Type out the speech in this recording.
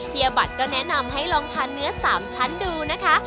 บัตรก็แนะนำให้ลองทานเนื้อ๓ชั้นดูนะคะ